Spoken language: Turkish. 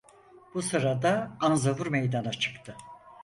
Bu sırada Anzavur meydana çıktı.